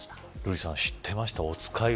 瑠麗さん、知ってました。